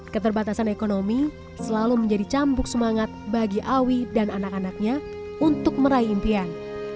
keterbatasan ekonomi selalu menjadi cambuk semangat bagi awi dan anak anaknya untuk meraih impian